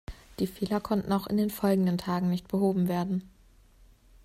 Die Fehler konnten auch in den folgenden Tagen nicht behoben werden.